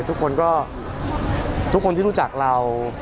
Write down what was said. ทุกคนที่รู้จักเรา